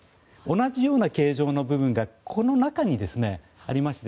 同じような形状の部分がこの中にありまして